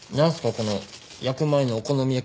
この焼く前のお好み焼きみたいな味。